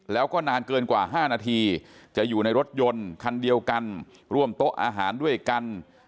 แล้วก็นานเกินกว่า๕นาทีจะอยู่ในรถยนต์คันเดียวกันร่วมโต๊ะอาหารด้วยกัน